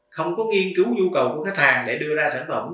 không có nghiên cứu nhu cầu của khách hàng để đưa ra sản phẩm